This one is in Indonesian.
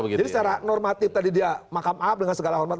jadi secara normatif tadi dia makam ab dengan segala hormat